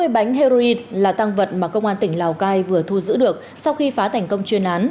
hai mươi bánh heroin là tăng vật mà công an tỉnh lào cai vừa thu giữ được sau khi phá thành công chuyên án